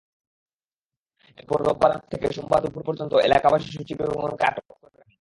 এরপর রোববার রাত থেকে সোমবার দুপুর পর্যন্ত এলাকাবাসী সূচী বেগমকে আটক করে রাখেন।